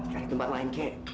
cari tempat lain kek